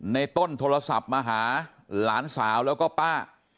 ในต้นโทรศัพท์มาหาหลานสาวแล้วก็ป้า